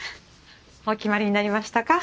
お決まりになりましたか？